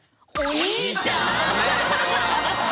お兄ちゃん。